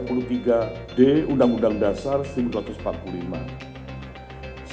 selaku otoritas moneter makro prudensial sistem pembayaran dan pengelolaan uang rupiah